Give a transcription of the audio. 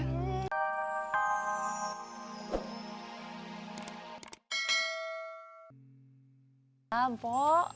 selamat malam po